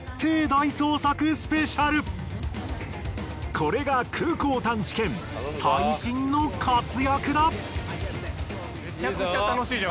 これが空港探知犬最新の活躍だ！